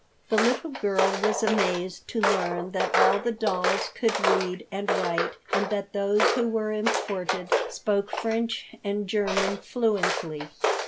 The little girl was amazed to learn that all the dolls could read and write and that those who were imported spoke French and German fluently.